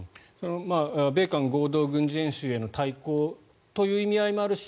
米韓合同軍事演習への対抗という意味合いもあるし